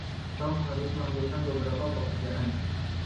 Tom harus melakukan beberapa perkerjaan.